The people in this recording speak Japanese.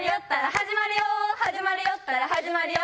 「始まるよったら始まるよ」